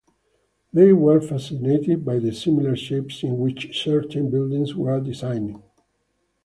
They were fascinated by the similar shapes in which certain buildings were designed.